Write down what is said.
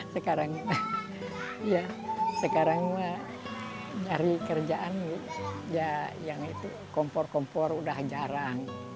sekarang ya sekarang mas dari kerjaan ya yang itu kompor kompor udah jarang